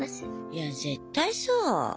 いや絶対そう。